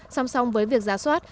song song với việc ra soát